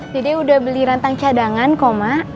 dede udah beli rantang cadangan ko ma